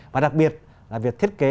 và đặc biệt là việc thiết kế